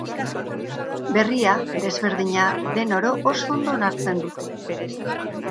Berria, desberdina, den oro oso ondo onartzen dute.